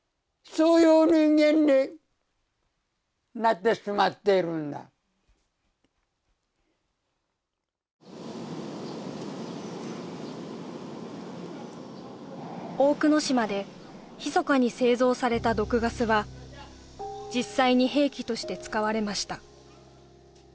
そういう人間になってしまっているんだ大久野島でひそかに製造された毒ガスは実際に兵器として使われました